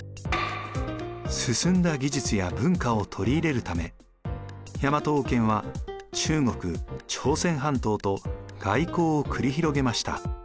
進んだ技術や文化を取り入れるため大和王権は中国朝鮮半島と外交を繰り広げました。